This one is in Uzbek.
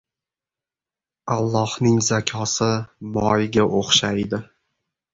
Allohning zakosi — moyga o‘xshaydi.